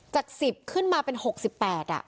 จาก๑๐ขึ้นมาเป็น๖๘อ่ะ